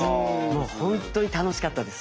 もう本当に楽しかったです。